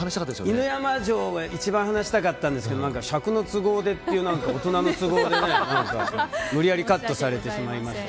犬山城が一番話したかったんですけど尺の都合でっていう大人の都合で無理やりカットされてしまいました。